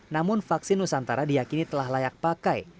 namun vaksin nusantara diakini telah layak pakai